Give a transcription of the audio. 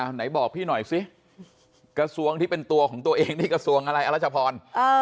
ไหนบอกพี่หน่อยสิกระทรวงที่เป็นตัวของตัวเองนี่กระทรวงอะไรอรัชพร